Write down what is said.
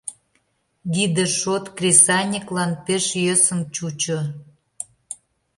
Гиде шот кресаньыклан пеш йӧсын чучо.